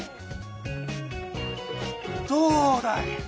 どうだい！